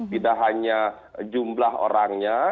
tidak hanya jumlah orangnya sdm nya